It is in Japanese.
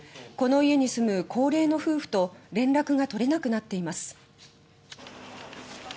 この家に住む高齢の夫婦と連絡が取れなくなっています。